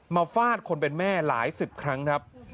ฟาดคนเป็นแม่หลายสิบครั้งครับ